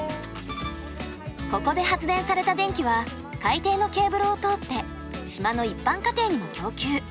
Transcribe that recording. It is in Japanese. ここで発電された電気は海底のケーブルを通って島の一般家庭にも供給。